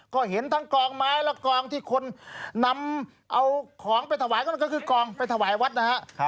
ก็เห็นทั้งกองไม้และกองที่คนนำเอาของไปถวายก็นั่นก็คือกองไปถวายวัดนะฮะ